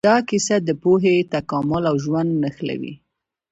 دا کیسه د پوهې، تکامل او ژونده نښلوي.